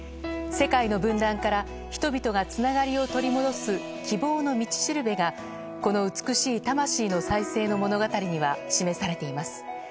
世界の分断から人々がつながりを取り戻す希望の道しるべが、この美しい魂の再生の物語には示されています。